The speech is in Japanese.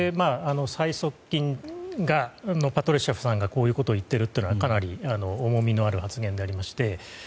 最側近のパトルシェフが、こういうことを言っているというのはかなり重みのある発言でありまして。